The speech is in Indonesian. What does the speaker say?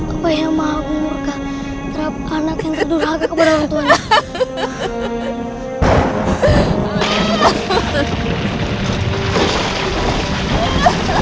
apa yang mengaku murka terhadap anak yang terduraga kepada orang tuanya